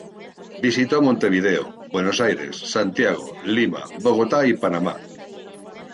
Visitó Montevideo, Buenos Aires, Santiago, Lima, Bogotá y Panamá.